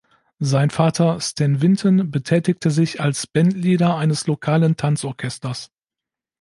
Sein Vater Stan Vinton betätigte sich als Bandleader eines lokalen Tanz-Orchesters.